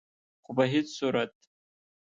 خو په هيڅ صورت